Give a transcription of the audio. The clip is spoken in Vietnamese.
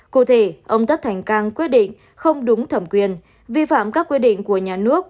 cụ thể ông tất thành cang quyết định không đúng thẩm quyền vi phạm các quy định của nhà nước